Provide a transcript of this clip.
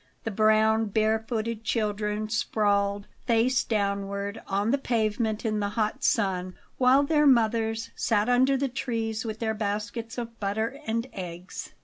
The brown, bare footed children sprawled, face downward, on the pavement in the hot sun, while their mothers sat under the trees with their baskets of butter and eggs.